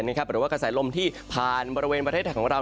หรือกระสายลมที่ผ่านบริเวณประเทศของเรา